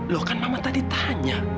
loh kan mama tadi tanya